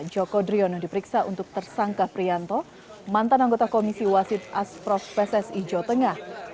joko driono diperiksa untuk tersangka prianto mantan anggota komisi wasid aspros pssi jotengah